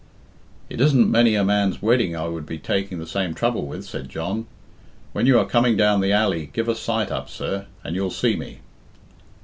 "It isn't many a man's wedding I would be taking the same trouble with," said John. "When you are coming down the alley give a sight up, sir, and you'll see me."